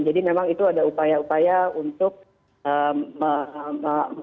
jadi memang itu ada upaya upaya untuk memperbaiki